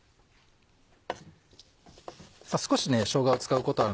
少ししょうがを使うことある。